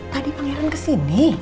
tadi pangeran kesini